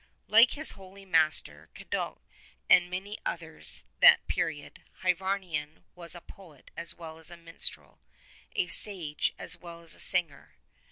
Like his holy master Cadoc and many others of that period, Hyvarnion was a poet as well as a minstrel, a sage as well as a singer.